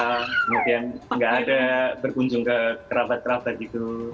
kemudian nggak ada berkunjung ke kerabat kerabat gitu